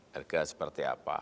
harga seperti apa